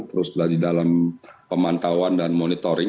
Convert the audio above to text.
terus sudah di dalam pemantauan dan monitoring